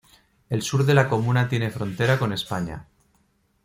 El sur de la comuna tiene frontera con España.